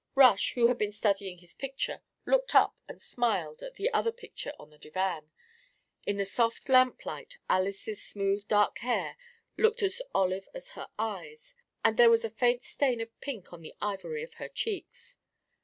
Rush, who had been studying his picture, looked up and smiled at the other picture on the divan. In the soft lamplight Alys' smooth dark hair looked as olive as her eyes, and there was a faint stain of pink on the ivory of her cheeks.